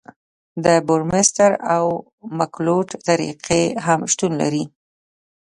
د بورمستر او مکلوډ طریقې هم شتون لري